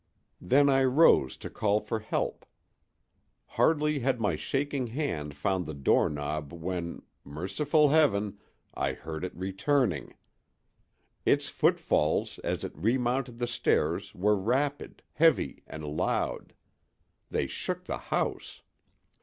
Then I rose to call for help. Hardly had my shaking hand found the doorknob when—merciful heaven!—I heard it returning. Its footfalls as it remounted the stairs were rapid, heavy and loud; they shook the house.